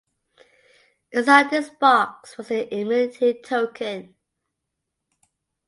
Inside this box was an immunity token.